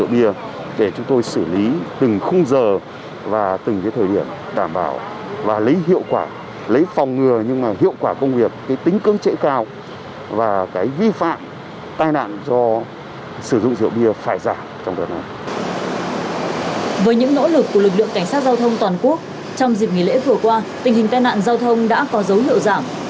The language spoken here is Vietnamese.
với những nỗ lực của lực lượng cảnh sát giao thông toàn quốc trong dịp nghỉ lễ vừa qua tình hình tài nạn giao thông đã có dấu hiệu giảm